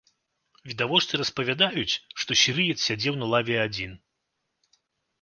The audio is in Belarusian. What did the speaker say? Відавочцы распавядаюць, што сірыец сядзеў на лаве адзін.